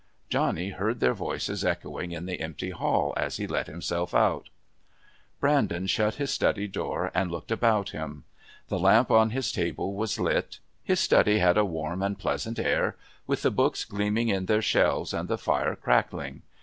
Johnny heard their voices echoing in the empty hall as he let himself out. Brandon shut his study door and looked about him. The lamp on his table was lit, his study had a warm and pleasant air with the books gleaming in their shelves and the fire crackling.